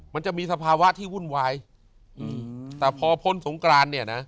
มันจะมีสภาวะที่วุ่นวายอืมแต่พอพ้นสงกรานเนี่ยนะ